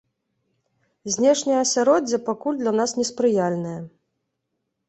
Знешняе асяроддзе пакуль для нас неспрыяльнае.